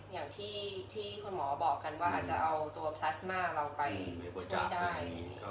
อย่างที่คุณหมอบอกกันว่าอาจจะเอาตัวพลาสมาเราไปไม่ได้